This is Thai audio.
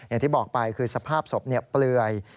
อย่างที่บอกไปคือสภาพศพเปลือย